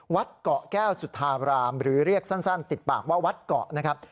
วัดเกาะแก้วสุธาบรามหรือเรียกสั้นติดปากว่าวัดเกาะนะครับ